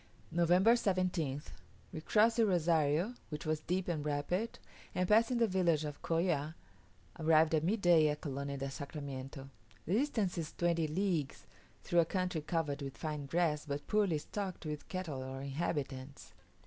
November 17th. We crossed the Rozario, which was deep and rapid, and passing the village of Colla, arrived at midday at Colonia del Sacramiento. The distance is twenty leagues, through a country covered with fine grass, but poorly stocked with cattle or inhabitants.